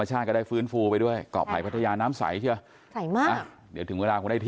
ไม่กล้าขึ้นมาหน่อยครับขนาดเจ้าหัวที่หนึ่ง